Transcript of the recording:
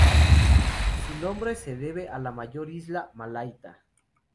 Su nombre se debe a la mayor isla, Malaita.